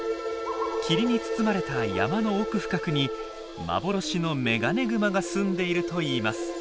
霧に包まれた山の奥深くに幻のメガネグマが住んでいるといいます。